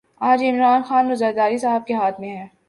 آج یہ عمران خان اور زرداری صاحب کے ہاتھ میں ہے۔